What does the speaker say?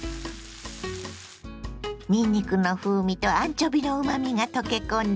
にんにくの風味とアンチョビのうまみが溶け込んだ